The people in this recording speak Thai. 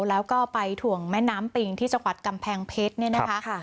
แล้วก็ไปถ่วงแม่น้ำปีงที่จังหวัดกำแพงเพชร